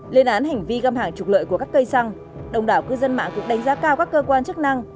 lên án hành vi găm hàng trục lợi của các cây xăng đồng đảo cư dân mạng cũng đánh giá cao các cơ quan chức năng